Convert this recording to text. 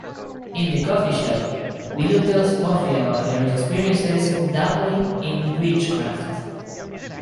In the coffee shop, Willow tells Buffy about her experiences dabbling in witchcraft.